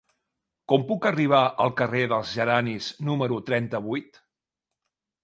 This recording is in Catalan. Com puc arribar al carrer dels Geranis número trenta-vuit?